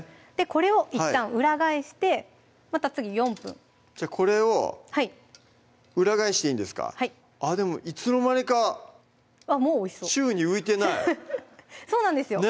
これをいったん裏返してまた次４分じゃこれを裏返していいんですかはいいつの間にか宙に浮いてないそうなんですよ